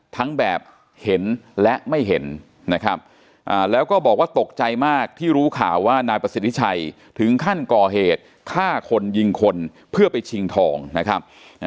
ทั้งแบบเห็นและไม่เห็นนะครับแล้วก็บอกว่าตกใจมากที่รู้ข่าวว่านายประสิทธิชัยถึงขั้นก่อเหตุฆ่าคนยิงคนเพื่อไปชิงทองนะครับ